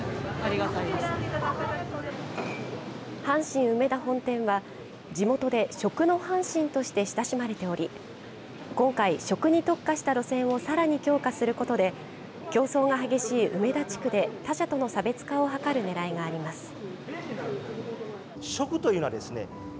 阪神梅田本店は地元で食の阪神として親しまれており今回、食に特化した路線をさらに強化することで競争が激しい梅田地区で他社との差別化を図るねらいがあります。